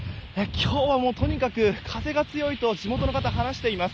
今日は、もうとにかく風が強いと地元の方は話しています。